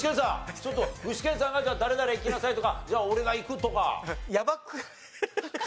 ちょっと具志堅さんがじゃあ誰々いきなさいとかじゃあ俺がいくとか。